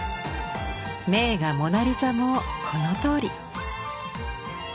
名画「モナ・リザ」もこのとおり。